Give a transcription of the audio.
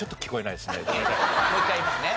もう一回言いますね。